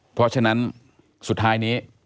เพราะฉะนั้นสุดท้ายนี้